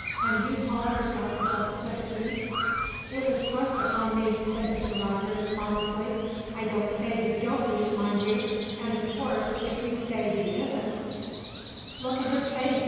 And you call yourself a justice of the peace?" "It was thrust upon me," said Mr. Rogers, modestly. "I don't say he's guilty, mind you; and, of course, if you say he isn't " "Look at his face!"